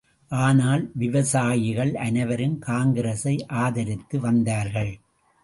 ஆனால் விவசாயிகள் அனைவரும் காங்கிரசை ஆதரித்து வந்தார்கள்.